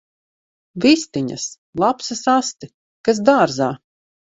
Vistiņas! Lapsas asti! Kas dārzā!